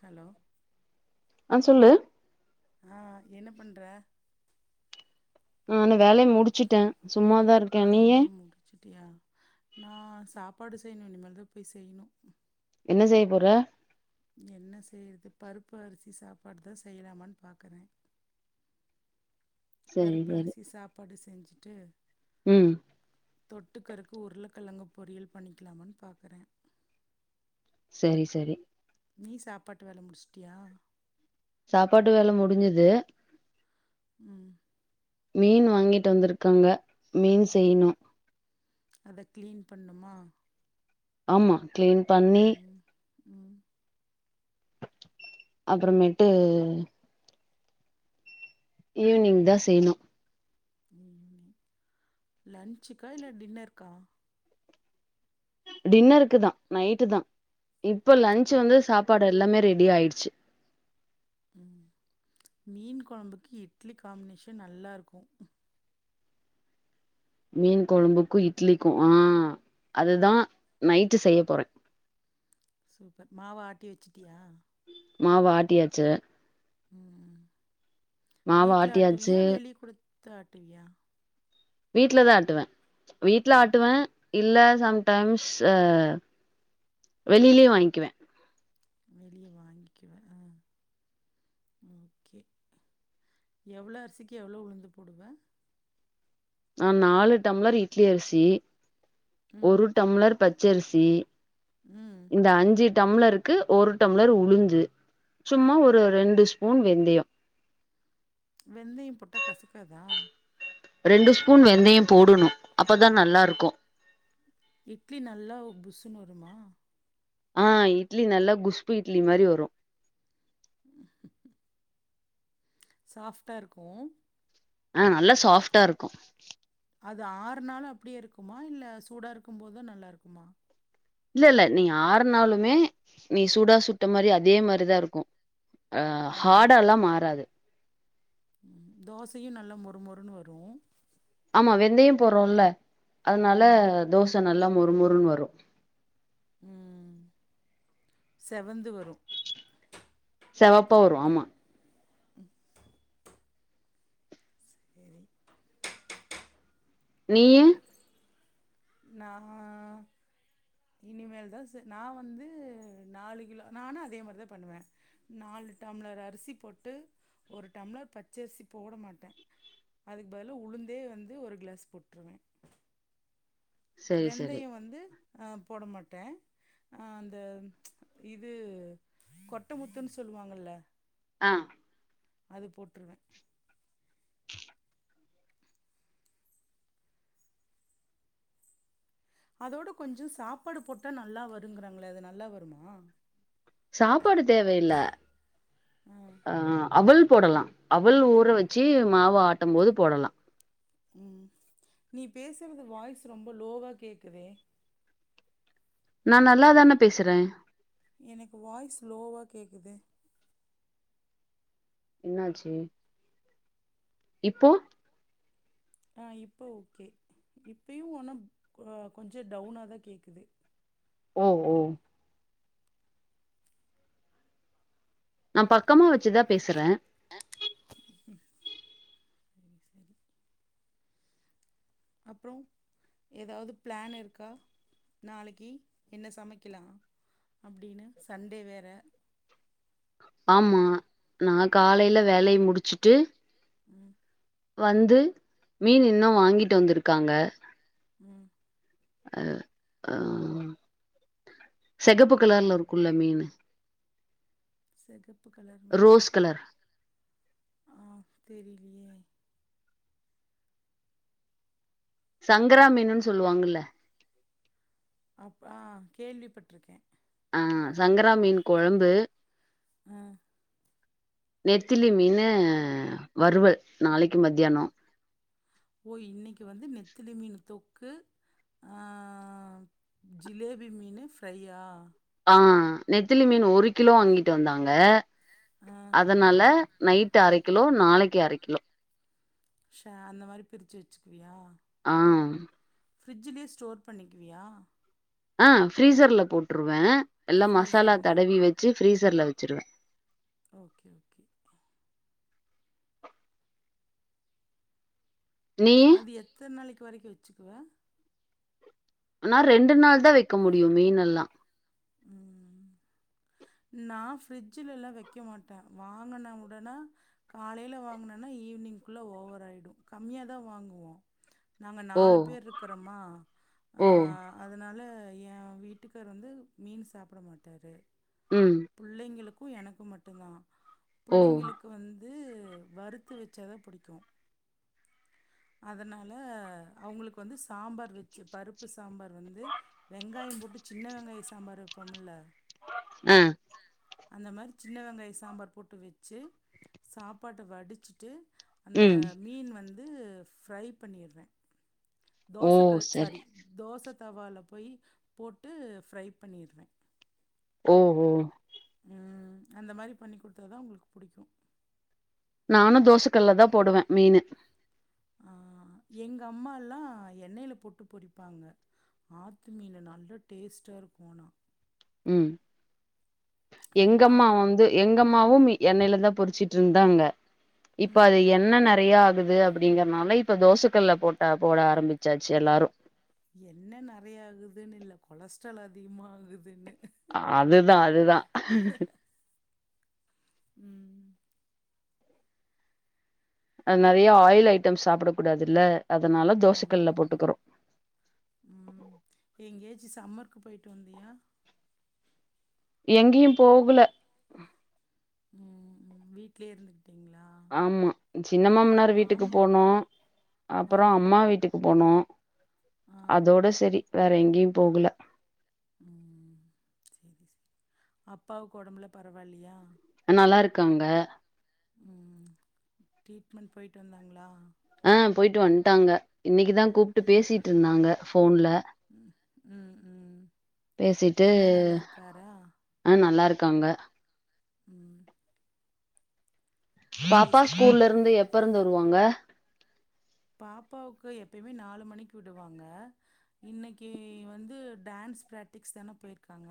Hello ஆ சொல்லு ஆ என்ன பண்ற ஆனா வேலைய முடிச்சுட்டேன் வேலைய முடுச்சுட்டியா நான் சாப்பாடு செய்யணும் இனிமேல் தா போய் செய்யணும் என்ன செய்ய போற என்ன செய்யறது பருப்பு அரிசி சாப்பாடுதா செய்யலாமான்னு பாக்குறேன் சரி பருப்பு சரி அரிசி சாப்பாடு செஞ்சு விட்டு ம் தொட்டுக்கரக்கு உருளைக்கிழங்குபொறியல் பண்ணிக்கலாமானு பாக்குறேன் சரி சரி நீ சாப்பாட்டு வேல முடிச்சுட்டியா சாப்பாட்டு வேல முடிஞ்சது உம் மீன் வாங்கிட்டு வந்துருக்காங்க மீன் ம் செய்ணும் அத க்ளீன் பண்ணுமா ஆமா கிளீன் பண்ணி ம் ம் அப்பறமேட்டு ஈவ்னிங் தான் செய்ணும் லன்சுக்கா இல்ல டின்னருக்கா டின்னருக்கு தான் நைட்டு தான் இப்ப லன்ச் வந்து சாப்பாடு எல்லாமே ரெடி ஆயிடுச்சு உம் மீன் குழம்புக்கு இட்லி காம்னேஷன் நல்லா இருக்கும் மீன் கொழம்புக்கும் இட்லிக்கும் ஆஹ் அதுதான் நைட்டு செய்ய போறேன் சூப்பர் மாவ் ஆட்டி வச்சிட்டியா மாவு ஆட்டியாச்சே உம் வீட்டுல அட்டுவிய ஆட்டியாச்சு வெளிய குடு வந்து ஆட்டுவிய வீட்லதான் ஆட்டுவேன் வீட்ல ம் ஆட்டுவேன் இல்ல சம்டைம்ஸ் ஹ வெளிலயும் வாங்குவேன் வெளியே வாங்கிக்குவேன் ஆஹ ஓகே எவ்ளோ அரிசிக்கு எவ்வளோ உளுந்து போடுவ நான் நாலு டம்ளர் இட்லி அரிசி ம் ஒரு டம்ளர் பச் ச்ச அரிசி ம் இந்த அஞ்சி டம்ளருக்கு ஒரு டம்ளர் உளுந்து சும்மா ஒரு ரெண்டு ஸ்பூன் வெந்தியம் வெந்தயம் போட்டா கசக்காதா ரெண்டு ஸ்பூன் வெந்தியம் போடுணும் அப்பதான் நல்லாருக்கும் இட்லி நல்லா புஸ்சு னு வருமா ஹ இட்லி நல்லா குஸ்பு இட்லி மாரி வரும் [inaudible] சாஃப்டா இருக்கும் அஹ் நல்லா சாஃப்டா இருக்கும் அது ஆறுநாலும் அப்படியே இருக்குமா இல்ல சூடாக இருக்கும்போது நல்லாயிருக்குமா இல்ல இல்ல நீ ஆறுனாலுமே நீ சூடா சுட்ட மாரி அதே மாரிதான் இருக்கும் அஹ் ஹாடலாம் மாறாது உம் தோசையும் நல்லா மொறு மொறுன்னு வரும் ஆமா வெந்தயம் போறோம்ல அதனால ம் தோசை நல்லா மொ மொறு மொறுன்னு வரும் உம் செவந்து வரும் செவப்பா வரும் ஆமா செரி நீயும் நா இனிமேல்தான் நா வந்து நாலு கிலோ நானும் அதே மாரிதான் பண்ணுவேன் நாலு டம்ளர் அரிசி போட்டு ஒரு டம்ளர் பச்ச அரிசி போட மாட்டேன் அதுக்கு பதில உளுந்தே வந்து ஒரு கிளாஸ் போட்ருவேன் செரி செரி வெந்தயம் வந்து அஹ போட மாட்டேன் அஹ அந்த இது கொட்டமுத்துனு சொல்வாங்கல்ல ஆஹ அது போட்ருவேன் அதோட கொஞ்சம் சாப்பாடு போட்டா நல்லா வருங்குறாங்களே அது நல்லா வருமா சாப்பாடு தேவ இல்ல ஆ ஆஹ அவள் போடலாம் அவள் ஊற வச்சு மாவு ஆட்டும் போது போடலாம் உம் நீ பேசுறது வாய்ஸ் ரொம்ப லோவா கேக்குதே நான் நல்லாதானே பேசுறேன் எனக்கு வாய்ஸ் லோவா கேக்குது என்னாச்சி இப்போ ஆஹ் இப்ப ஓகே இப்பயும் ஒனா கொஞ்சம் டவுனா தான் கேக்குது ஓ ஓ நா பக்கமா வச்சு தான் பேசுறேன் உம் உம் சரி அப்பறோம் ஏதாவது பிளான் இருக்கா நாளைக்கி என்ன சமைக்கலாம் அப்டின்னு சண்டே வேற ஆமா நான் காலையில வேலய முடிச்சிட்டு உம் வந்து மீன் இன்னுவாங்கிட்டு வந்துருக்காங்க உம் அ ஆஹ செகப்பு கலர்ல இருக்கும்ல்ல மீனு செகப்பு கலர் மீன ரோஸ் கலர் ஆஹ தெரி யாலயே சங்கரா மீனுன்னு சொல்லுவாங்கல அப்ப ஆஹ கேள்விப்பட்டு இருக்கேன் ஆஹ் சங்கரா மீன் குழம்பு ஹ நெத்திலி மீனு வறுவல் நாளைக்கு மதியானம் ஓ இன்னைக்கு வந்து நெத்திலி மீன் தொக்கு ஜிலேபி மீன் ப்ஃரையா ஆஹ் நெத்திலி மீன் ஒரு கிலோ வாங்கிட்டு வந்தாங்க ஆ அதனால நைட் அரை கிலோ நாளைக்கி அரக்கிலோ ஷ அந்த மாரி பிரிச்சி வச்சுக்குவியா ஆஹ் ஃப்ரிட்ஜிலயே ஸ்டோர் பண்ணிக்குவியா ஆஹ் ப்ரீசர்ல போட்ருவேன் எல்லாம் மசாலா ஃப்ரீசர்லயே தடவி வச்சு ஃப்ரீசர்ல வச்சுருவேன் ஓகே ஓகே நீயி அது எத்தனை நாளைக்கு வரைக்கும் வச்சுக்குவா ஆனா ரெண்டு நாள் தான் வைக்க முடியும் மீன் யெல்லாம் உம் நான் ப்ஃரிஜுல எல்லாம் வைக்க மாட்டேன் வாங்குன உடனா காலையில வாங்குனேனா ஈவினிங் குள்ள ஓவர் ஆயிடும் கம்மியாதான் வாங்குவோம் நாங்கள் ஓ நாலு பேர் இருக்கிறோம்மா ஓ அதனால என் வீட்டுக்கரு வந்து மீன் சாப்பட மாட்டாரு ம் புள்ளைங்களுக்கு அப்போ எனக்கு மட்டு்ம் தான் ஓ புள்ளைங்களுக்கு வந்து வறுத்து வச்சாதான் புடிக்கும் அதனால அவங்களுக்கு வந்து சாம்பார் வச்சு பருப்பு சாம்பார் வந்து வெங்காயம் போட்டு சின்ன வெங்காயம் சாம்பார் வைப்போம்ல ஹாங் அந்த மாதிரி சின்ன வெங்காய சாம்பார் போட்டு வச்சு சாப்பாட்ட வடிச்சிட்டு அந்த ம் மீன் வந்து து பிஃரை பண்ணிடுவேன் ஓ தோசக்கள் சரி சாரி தோச தவால போய் போட்டு ஃப்ரை பண்ணிடுவேன் ஓ ஓ அந்த மாரி பண்ணி் குடுத்த தான் அவங்களுக்கு புடிக்கும் நானும் தோசக்கல்ல தான் போடுவேன் மீனு ஆஹ் எங்க அம்மா எல்லாம் எண்ணெயில போட்டு பொறிப்பாங்க ஆத்து மீன் நல்ல டேஸ்ட்டா இருக்கும் ஆனா உம் நல்லா எங்கஅம்மா அப் வந்து எங்க அம்மாவும் எண்ணெய்யில தான் பொரிச்சுட்டு இருந்தாங்க இப்ப அது ம் எண்ண நெறைய ஆகுது அ அப்படிங்கறனால இப்ப தோசக்கல்ல போட்டா போட ஆரம்பிச்சாச்சு எல்லாரும் என்ன நிறைய ஆகுதுன்னு இல்ல கொலஸ்ட்ரால் அதிகமா ஆகுதுன்னு அதுதான் அதுதான் உம் அது நெறைய ஆயில் ஐய்ட்டம் சாப்புட கூடாது இல்ல ஆமா ஆமா உம் எங்கேச்சும் சம்மர் க்கு போயிட்டு வந்தியா எங்கேயும் போகலா உம் வீட்லயே இருந்துக் ஆமா சின்னமாமனார் வீட்டுக்கு ஆமா. போனோம் ஆ, அப்பறம் அம்மா வீட்டுக்கு போனோம் ஆ. அதோட செரி வேற எங்கேயும் போகல உம் சரி சரி அப்பாவுக்கு உடம்பலாம் பரவா இல்லையா நல்லா இருக்காங்க ம் ட்ரீட்மெண்ட் போயிட்டு வந்தாங்களா அஹ போயிட்டு வந்துட்டாங்க இன்னக்கிதான் கூப்பிட்டு ம், பேசிட்டு இருந்தாங்க போன்ல உம் உம் பேசிட்டு ஆஹ் நல்லா இருக் இருக்காங்க உம் பாப்பா ஸ்கூல்ல இருந்து எப்ப இருந்து வருவாங்க பாப்பாவுக்கு எப்பயுமே நாலு மணிக்கு விடுவாங்க இன்னக்கு வந்து டான்ஸ் பிராக்டிஸ் தானே போயிருக்காங்க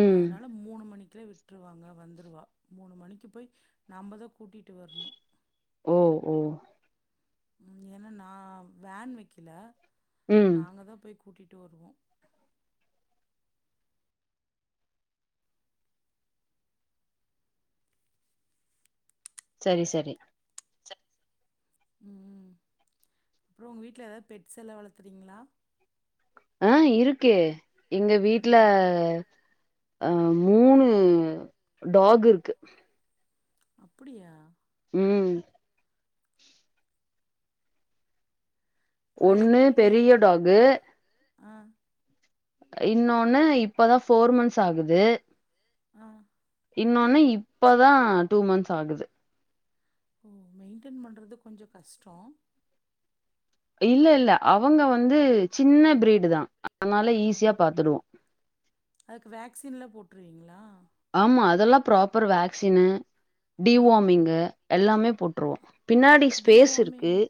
ம் அதனால மூணு மணிக் ல விட்ருவாங்க வந்துருவா மூணு மணிக்கு போய் நாம்மதான் கூட்டிட்டு வரணும் ஓ ஓ ம் ஏன்னா நான் வேன் வக்கில ம் நாங்க தா போய் கூட்டிட்டு கூட்டிட்டு வருவோம் செரி செரி உம் உ அப்புறம் உங்க வீட்டுல ஏதாவது பெட் செல்லாம் வளக்குறீங்களா ஆஹ இருக்கே எங்க வீட்டு்ல ம் அஹ மூணு டாகு இருக்கு அப்புடியா உம் அது ஒன்னு எப்டி பெரிய டாகு ஆ இன்னொன்னு இப்பதான் போர் மன்ஸ் ஆகுது ஆஹ் இன்னொன்னே இப்பதான் டூ மன்ஸ் ஆகுது ம் மெயின்டென் பண்றது கொஞ்சம் கஷ்டம் இல்ல இல்ல அவுங்க வந்து சின்ன பிரீடு தான் அதனால ஆ ஈஸியா பாத்துடுவோம் அதுக்கு வேக்சின்ல போட்டுருவீங்களா ஆமா அதெல்லாம் ப்ராப்பர் வேக்சின்னு ஆ டிவாமிங்கு எல்லாமே போட்ருவோம் பின்னாடி ஸ்பேஸ் இருக்கு டிவார்மிங்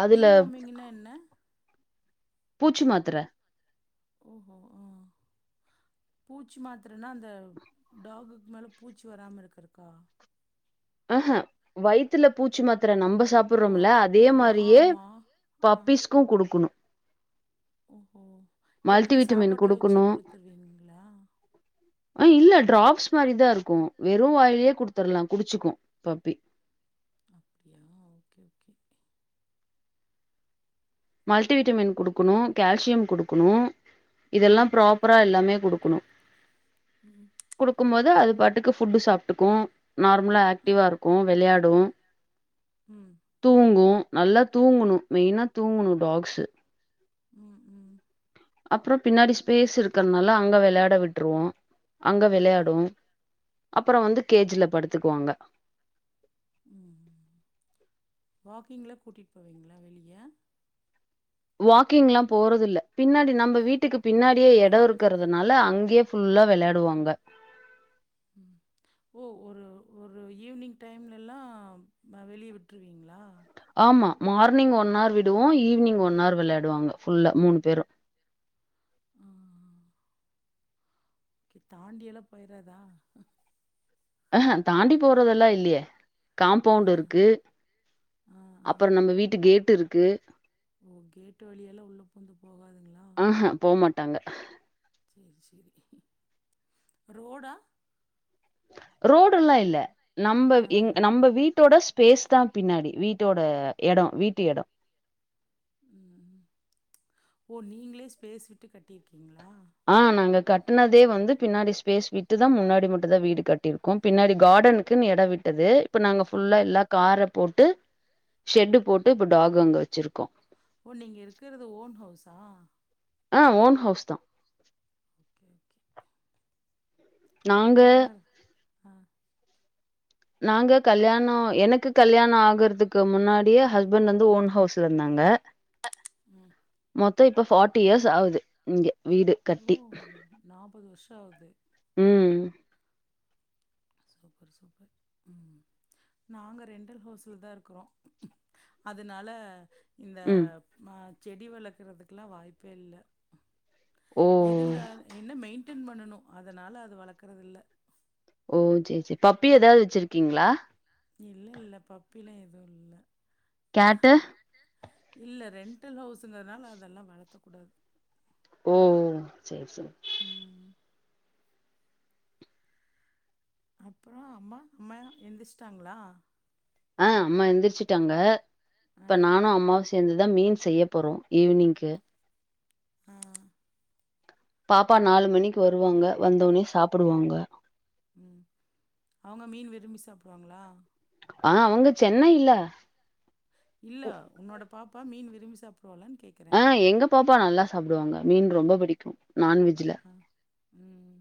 அதுல டிவாமிங்ன்ன என்ன பூச்சி மாத்தர ஓஹோ ஹ பூச்சி மாத் அந்த டாகு மேலே பூச்சி வராம இருக்குறதுக்கா ஆஹஹ வயித்துல பூச்சி மாத்திர நம்ப ஓ சாப்புட்றோம்ல அது அதே மாரியே ஆமா ஆஹ் பப்பீஸ்க்கு குடுக்கணு ஓஹோ மல்டி எப்படி விட்டமின் சாப்பாட்டுல வச்சே குடுக்கணு குடுத்துருவீங்களா ஆஹ் இல்ல டிராப்ஸ் மாரிதா இருக்கும் வெறும் வாயிலயே குடுத்துரலா குடிச்சுக்கு பப்பி அப்டியா ஓகே ஓகே மல்டிவிட்டமின் குடுக்கணு கால்சியம் குடுக்கணு இதெல்லா ம் ப்ராப்பரா எல்லாமே குடுக் கணு ம் குடுக்கும் போது அது பாட்டுக்கு ஃபுட்டு சாப்ட்டுக்கு நார்மலா ஆக்டிவாக இருக்கு வெளையாடு ம் தூங்கு நல்லா தூங்கணு மெயினா தூங்கணு டாக்சு ம் ம் அப்றோ பின்னாடி ஸ்பேஸ் இருக்கிறதுனால அங்க வெளையாட விட்ருவோ அங்க ம் வெளையாடு அப்றோ வந்து கேஜ்ல படுத்துக்குவாங்க ம் வாக்கிங்லா கூட்டிட்டு போவீங்களா வெளிய வாக்கிங் எல்லா போறது இல்ல பின்னாடி நம்ம வீட்டுக்கு பின்னாடியே எடோ இருக்கிறதுனால அங்கயே ஃபுல்லா வெளையாடுவாங்க ம் ஓ ஒரு ஒரு ஈவி்னிங் டைம்ல எல்லாம் ஆ வெளிய விட்ருவீங்களா ஆமா மார்னிங் ஒன் ஆர் விடுவோ ஈவினிங் ஒன் ஆர் வெளையாடுவாங்க ஃபுல்லா மூணு பேரு ஆ ஓகே தாண்டி எல்லா போயறாதா ஆஹ்ஹா தாண்டி போறதெல்லா இல்லையே ஆ காம்பவுண்ட் இருக்கு ஆ ஆ அப்புற நம்ம வீட்டு கேட் இருக்கு ஓ கேட்டு வழியால உள்ள பூந்து போகாதுங்களா ஆஹ போமாட்டாங்க சேரி சேரி ரோடா ரோடுல்லா இல்ல நம்ப ஆ எ நம்ப வீட்டோட ஸ்பேஸ்தா பின்னாடி வீட்டோட எடோ வீட்டு எடோ ம் ஓ நீங்களே ஸ்பேஸ் விட்டு கட்டியிருக்கீங்களா ஆஹ் நாங்க கட்டுனதே வந்து பின்னாடி ஸ்பேஸ் விட்டுதா முன்னாடி மட்டுதா வீடு கட்டியிருக்கோ பின்னாடி கார்டனுக்குன்னு எடோ விட்டது இப்ப நாங்க ஆ ஃபுல்லா எல்லா கார போட்டு ஷெட்டு போட்டு இப்ப டாகு அங்க வச்சிருக்கோ ஓ நீங்க இருக்கறது ஓன் ஹவுஸா ஆஹ் ஓன் ஹவுஸ்தா ஓகே ஓகே நாங்க ஆ நாங்க கல்யாணோ எனக்கு கல்யாணோ ஆகுறதுக்கு முன்னாடியே ஹஸ்பண்ட் வந்து ஓன் ஹவுஸ்ல இருந்தாங்க ம் மொத்தோ இப்ப ஃபார்ட்டி இயர்ஸ் ஆகுது இங்க வீடு ஓ கட்டி நாற்பது வருஷம் ஆகுது உம் செரி செரி ம் நாங்க ரெண்ட்டட் ஹவுஸ்லதா இருக்குறோ அதனால இந்த ம் ஆ செடி வளக்குறதுக்கெல்லா வாய்ப்பே இல்ல ஓ இருந்தால் என்ன மெயின் டெய்ன் பண்ணனு அதனால அது வளக்கறது இல்ல ஓ சேரி சேரி பப்பி ஏதாவது வச்சிருக்கீங்ளா இல்ல இல்ல பப்பிலா எதுவு இல்ல கேட்டு இல்ல ரெண்டல் ஹவுஸுங்கிறதுனால அதெல்லா வளத்தக்கூடாது ஓ சேரி சரி ம் அப்றோ அம்மா அம்மா எந்திரிச்சிட்டாங்களா ஆஹ் அம்மா எந்திரிச்சுட்டாங்க ஆ இப்ப நானு அம்மாவு சேந்துதா மீன் செய்யப் போறோ ஈவினிங்க்கு ஆ பாப்பா நாலு மணிக்கு வருவாங்க வந்தோன்னே சாப்புடுவாங்க உம் அவங்க மீன் விரும்பி சாப்டுவாங்களா ஆஹ் அவுங்க சென்னை இல்ல இல்ல உன்னோட பாப் பா மீன் விரும்பி சாப் ஆஹ் எங்க பாப்பா நல்லா சாப்டுவாங்க மீன் ரொம்ப பிடிக்கு நான்வெஜ்ல. ஆஹ் உம்